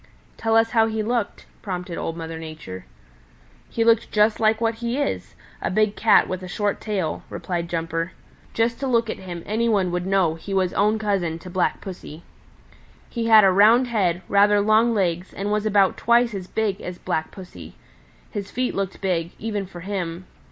"Tell us how he looked," prompted Old Mother Nature. "He looked just like what he is a big Cat with a short tail," replied Jumper. "Just to look at him any one would know he was own cousin to Black Pussy. He had a round head, rather long legs, and was about twice as big as Black Pussy. His feet looked big, even for him.